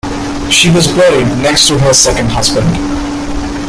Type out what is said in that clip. She was buried next to her second husband.